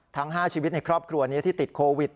ทั้ง๕ชีวิตในครอบครัวนี้ที่ติดโควิด